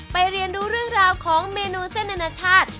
เรียนรู้เรื่องราวของเมนูเส้นอนาชาติ